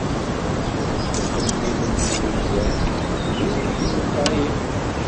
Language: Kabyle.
Ixemmimen n wemdan, d ul lqayen.